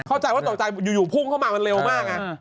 เข้าใจว่าตกใจอยู่พุ่งเข้ามามันเร็วมาก